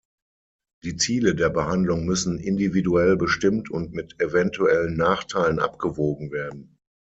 Die Ziele der Behandlung müssen individuell bestimmt und mit eventuellen Nachteilen abgewogen werden.